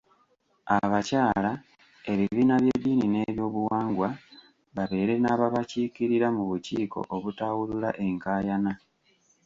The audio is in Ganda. Abakyala, ebibiina by’eddini n’ebyobuwangwa babeere n’ababakiikirira mu bukiiko obutawulula enkaayana.